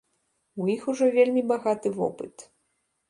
У іх ужо вельмі багаты вопыт.